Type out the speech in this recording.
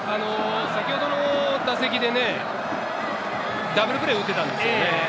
先ほどの打席でね、ダブルプレーを打ったんですよね。